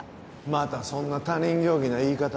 またそんな他人行儀な言い方。